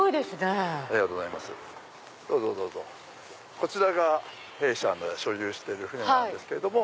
こちらが弊社の所有している船なんですけれども。